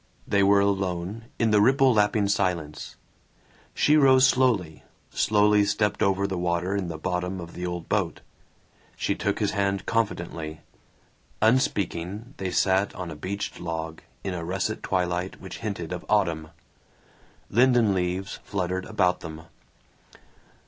They were alone, in the ripple lapping silence. She rose slowly, slowly stepped over the water in the bottom of the old boat. She took his hand confidently. Unspeaking they sat on a bleached log, in a russet twilight which hinted of autumn. Linden leaves fluttered about them.